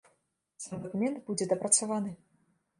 Сам дакумент будзе дапрацаваны.